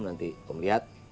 nanti om lihat